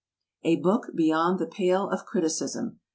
_ "_A book beyond the pale of criticism.